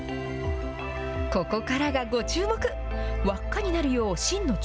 ここからがご注目。